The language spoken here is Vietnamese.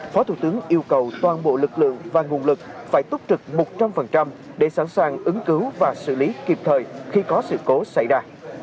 phó thủ tướng yêu cầu toàn bộ lực lượng và nguồn lực phải túc trực một trăm linh để sẵn sàng ứng cứu và xử lý kịp thời khi có sự cố xảy ra